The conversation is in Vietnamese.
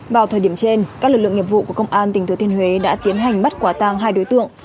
vào thời điểm trên các lực lượng nghiệp vụ của công an tỉnh thừa thiên huế đã tiến hành bắt quả tang hai đối tượng